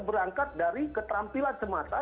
berangkat dari keterampilan semata